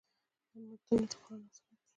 دا متنونه قران او سنت دي.